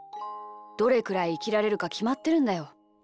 どれくらいいきられるかきまってるんだよ。